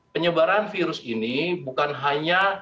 penyebaran virus ini bukan hanya